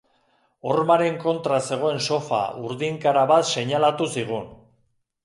Hormaren kontra zegoen sofa urdinkara bat seinalatu zigun.